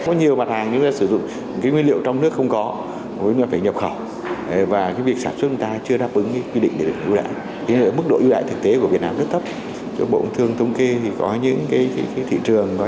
có nhiều mặt hàng chúng ta sử dụng cái nguyên liệu trong nước không có